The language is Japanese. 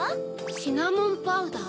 シナモンパウダー？